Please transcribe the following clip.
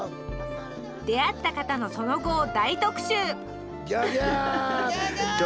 出会った方の、その後を大特集。